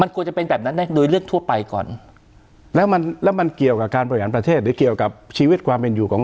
เกี่ยวแต่ว่าผม